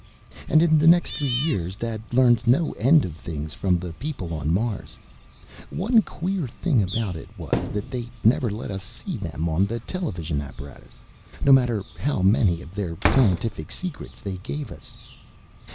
"And in the next three years Dad learned no end of things from the people on Mars. One queer thing about it was, that they never let us see them on the television apparatus, no matter how many of their scientific secrets they gave us.